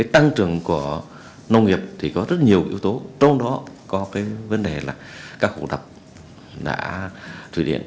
tăng trưởng của nông nghiệp có rất nhiều yếu tố trong đó có vấn đề là các hồ đập thủy điện